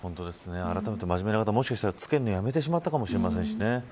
あらためて、真面目な方つけるのをやめてしまったかもしれませんしね。